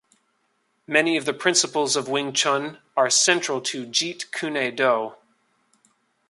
Many of the principles of Wing Chun are central to Jeet Kune Do.